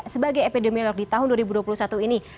sebagai epidemiolog di tahun dua ribu dua puluh satu ini